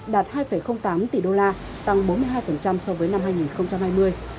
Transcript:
đạt hai tám tỷ đô la tăng bốn mươi hai so với năm hai nghìn hai mươi